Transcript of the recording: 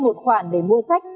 một khoản để mua sách